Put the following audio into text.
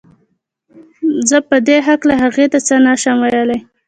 زه په دې هکله هغې ته څه نه شم ويلی